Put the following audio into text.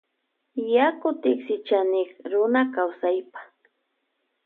Yaku tiksichanik runa kawsaypa.